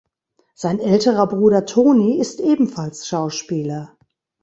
Sein älterer Bruder Tony ist ebenfalls Schauspieler.